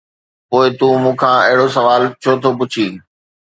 ”پوءِ تون مون کان اهڙو سوال ڇو ٿو پڇين؟